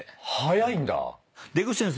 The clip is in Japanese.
速いんだ。